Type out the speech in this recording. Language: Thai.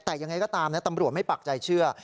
แต่ยังไงก็ตามนะตำรวจไม่ปักใจเชื่อ